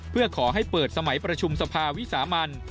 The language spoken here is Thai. เพื่อขอให้เปิดสมัยประชุมสภาวิสามัน